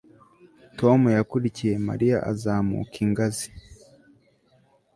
Tom yakurikiye Mariya azamuka ingazi